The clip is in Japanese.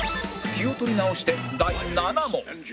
気を取り直して第７問